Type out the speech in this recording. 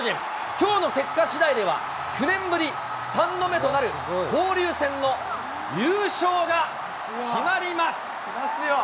きょうの結果しだいでは、９年ぶり３度目となる交流戦の優勝が決まります。